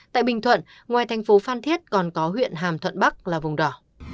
tại bình thuận ngoài thành phố phan thiết còn có huyện hàm thuận bắc là vùng đỏ